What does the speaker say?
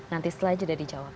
nanti setelah itu sudah dijawab